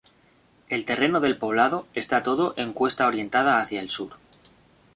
El terreno del poblado está todo en cuesta orientada hacia el sur.